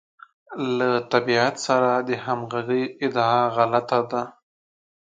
له طبیعت سره د همغږۍ ادعا غلطه ده.